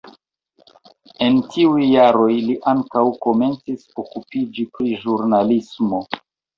En tiuj jaroj li ankaŭ komencis okupiĝi pri ĵurnalismo.